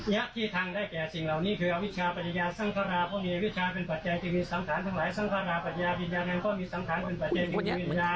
ยักษ์ที่ทางได้แก่สิ่งเหล่านี้เคยเอาวิชาปัญญาสังฆาราพมีวิชาเป็นปัจจัยจึงมีสัมภารทั้งหลายสังฆาราปัญญาวิญญาณแห่งพ่อมีสัมภารเป็นปัจจัยจึงมีวิญญาณ